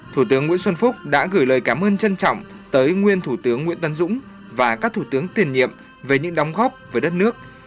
thủ tướng nguyễn xuân phúc đã gửi lời cảm ơn trân trọng tới nguyên thủ tướng nguyễn tân dũng và các thủ tướng tiền nhiệm về những đóng góp với đất nước